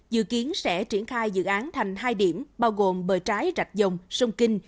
dự kiến sẽ triển khai dự án thành hai điểm bao gồm bờ trái rạch dòng sông kinh